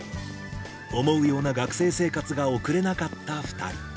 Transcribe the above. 思うような学生生活が送れなかった２人。